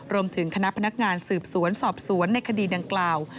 คณะพนักงานสืบสวนสอบสวนในคดีดังกล่าว